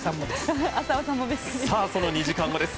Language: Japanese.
その２時間後です。